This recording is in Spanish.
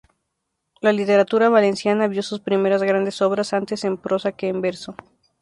La literatura valenciana vio sus primeras grandes obras antes en prosa que en verso.